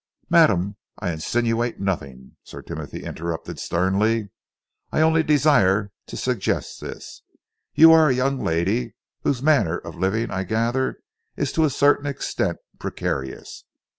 "Madam, I insinuate nothing," Sir Timothy interrupted sternly. "I only desire to suggest this. You are a young lady whose manner of living, I gather, is to a certain extent precarious.